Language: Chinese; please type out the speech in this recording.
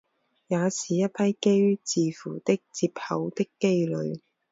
也是一批基于字符的接口的基类。